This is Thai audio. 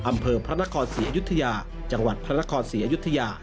อำเภอพระนครศรีอยุธยาจังหวัดพระนครศรีอยุธยา